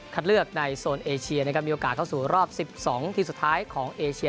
เลือกในโซนเอเชียนะครับมีโอกาสเข้าสู่รอบ๑๒ทีมสุดท้ายของเอเชีย